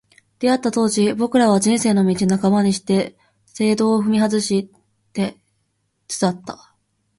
出逢った当時、彼らは、「人生の道半ばにして正道を踏み外し」つつあった。